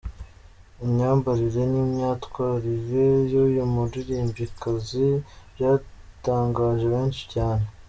Imyambarire n'imyitwarire y'uyu muririmbikazi byatangaje benshi cyane.